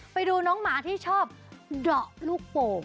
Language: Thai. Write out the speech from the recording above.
ไปดูน้องหมาที่ชอบดอกลูกโป่ง